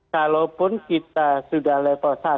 kalaupun kita sudah level satu